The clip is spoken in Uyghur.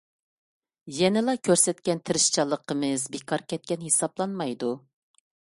يەنىلا كۆرسەتكەن تىرىشچانلىقىمىز بىكار كەتكەن ھېسابلانمايدۇ.